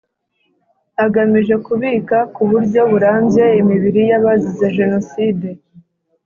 agamije kubika ku buryo burambye imibiri y abazize Jenoside